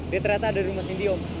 dia ternyata ada di rumah cindy om